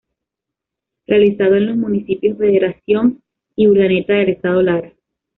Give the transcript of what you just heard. Realizado en los Municipios Federación y Urdaneta del Estado Lara.